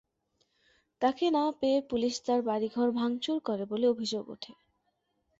তাকে না পেয়ে পুলিশ তাঁর বাড়ি ঘর ভাঙচুর করে বলে অভিযোগ ওঠে।